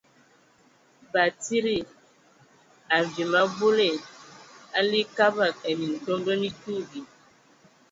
Batsidi, a viimɔ a a abole, a ligi Kabad ai Mintomba mi tuugi.